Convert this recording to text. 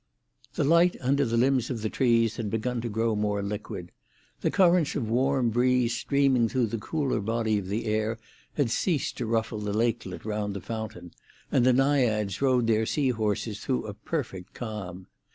The light under the limbs of the trees had begun to grow more liquid. The currents of warm breeze streaming through the cooler body of the air had ceased to ruffle the lakelet round the fountain, and the naiads rode their sea horses through a perfect calm.